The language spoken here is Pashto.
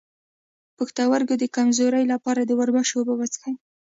د پښتورګو د کمزوری لپاره د وربشو اوبه وڅښئ